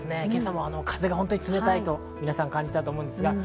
今朝も風が冷たいと皆さん感じたと思います。